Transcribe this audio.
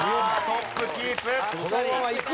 トップキープ。